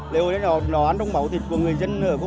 lễ hội đó là đòi ăn đông bảo thịt của người dân ở khu vực